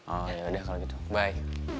oh yaudah kalau gitu by